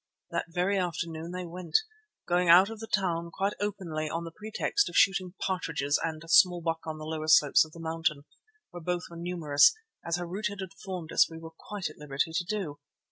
That very afternoon they went, going out of the town quite openly on the pretext of shooting partridges and small buck on the lower slopes of the mountain, where both were numerous, as Harût had informed us we were quite at liberty to do.